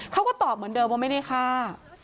เขาก็ตอบเหมือนเดิมว่าไม่ได้ฆ่า